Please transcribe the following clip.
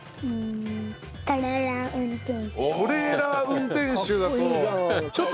トレーラー運転手だと。